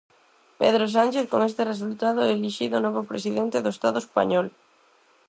Pedro Sánchez, con este resultado, é elixido novo presidente do estado español.